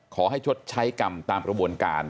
ขอให้ชดใช้กรรมตามประบวนการ